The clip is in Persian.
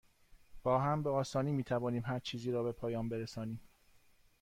با هم، به آسانی می توانیم هرچیزی را به پایان برسانیم.